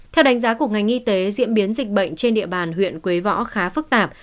theo đánh giá của ngành y tế diễn biến dịch bệnh trên địa bàn huyện quế võ khá phức tạp